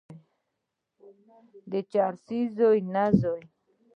چرسي زوی، نه زوی.